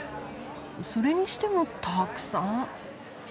それにしてもたくさん。